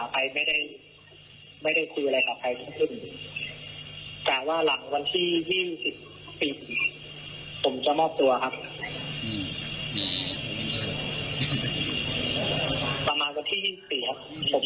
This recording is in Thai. ประมาณว่าที่๒๔ครับผมจะมอบตัวครับ